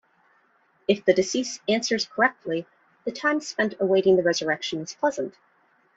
If the deceased answers correctly, the time spent awaiting the resurrection is pleasant.